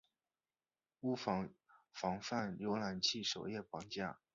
无法防范浏览器首页绑架。